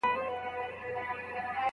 د تفسير پيژندنه.